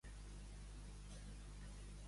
Què demostra l'Informe Warnock sobre Florentina?